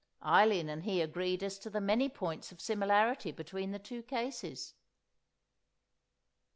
Eileen and he agreed as to the many points of similarity between the two cases.